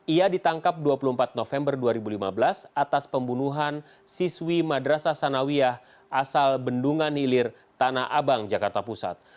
ia ditangkap dua puluh empat november dua ribu lima belas atas pembunuhan siswi madrasah sanawiyah asal bendungan hilir tanah abang jakarta pusat